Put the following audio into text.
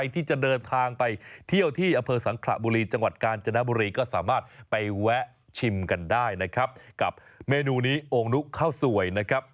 ที่จะเดินทางไปเที่ยวที่อำเภอสังขระบุรีจังหวัดกาญจนบุรีก็สามารถไปแวะชิมกันได้นะครับกับเมนูนี้โอนุข้าวสวยนะครับ